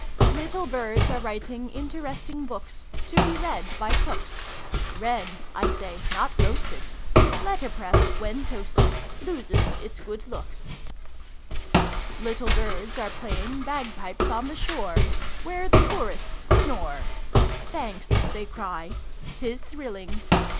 371 Little Birds are writing Interesting books, To be read by cooks : Read, I say, not roasted Letterpress, when toasted, Loses its good looks. Little Birds are playing Bagpipes on the shore, Where the tourists snore .' Thanks !" they cry. "' Tis thrilling ! Take, oh take this shilling!